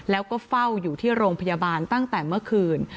แล้วก็เฝ้าอยู่ที่โรงพยาบาลตั้งแต่เมื่อคืน